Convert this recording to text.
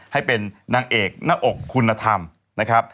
ให้เป็นนางเอกหน้าอกคุณธรรมนะครับ